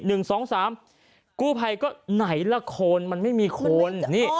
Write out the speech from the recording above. เหมือนว่าวันนี้ไหนละคนมันไม่มีคน